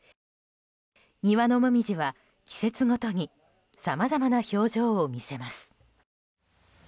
庭のモミジは季節ごとにさまざまな表情を見せます。